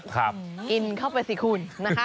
กินเข้าไปสิคุณ